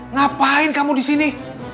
ngapain kamu di sini